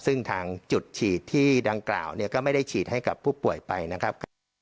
ซึ่งทางจุดฉีดที่ดังกล่าวเนี่ยก็ไม่ได้ฉีดให้กับผู้ป่วยไปนะครับ